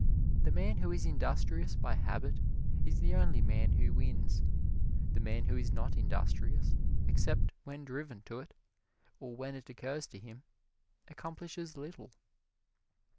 The man who is industrious by habit is the only man who wins. The man who is not industrious except when driven to it, or when it occurs to him, accomplishes little.